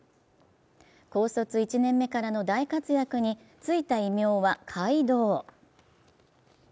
高卒１年目からの大活躍についた異名は怪童。